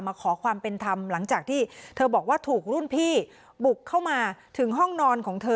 ขอความเป็นธรรมหลังจากที่เธอบอกว่าถูกรุ่นพี่บุกเข้ามาถึงห้องนอนของเธอ